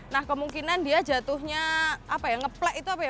nah kemungkinan dia jatuhnya apa ya ngeplek itu apa ya